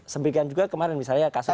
sembilikan juga kemarin misalnya kasus ini